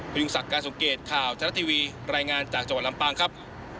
พยุงสักการสงเกตข่าวชาติทวีรายงานจากจังหวัดลำปางครับ